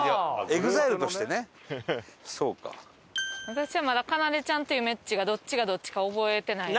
私はまだかなでちゃんとゆめっちがどっちがどっちか覚えてない。